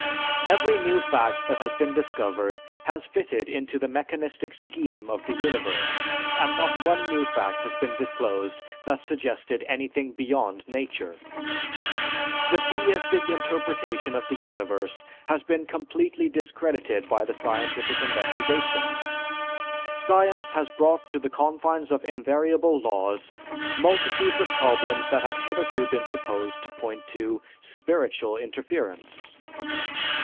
Every new fact that has been discovered has fitted into the mechanistic scheme of the universe, and not one new fact has been disclosed that suggested anything beyond nature. The theistic interpretation of the universe has been completely discredited by the scientific investigations. Science has brought to the confines of invariable laws multitudes of problems that had hitherto been supposed to point to "spiritual" interference.